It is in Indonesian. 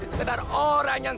ini para jin